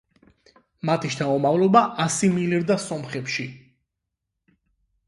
მათი შთამომავლობა ასიმილირდა სომხებში.